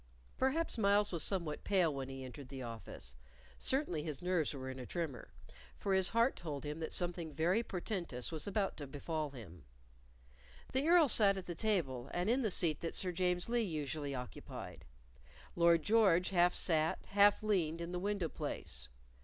Perhaps Myles was somewhat pale when he entered the office; certainly his nerves were in a tremor, for his heart told him that something very portentous was about to befall him. The Earl sat at the table, and in the seat that Sir James Lee usually occupied; Lord George half sat, half leaned in the window place.